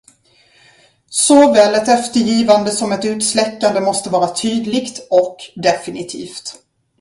Såväl ett eftergivande som ett utsläckande måste vara tydligt och definitivt.